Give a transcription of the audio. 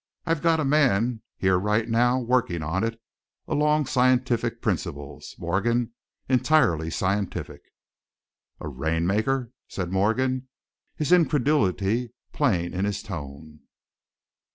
I've got a man here right now working on it, along scientific principles, Morgan entirely scientific." "A rainmaker?" said Morgan, his incredulity plain in his tone.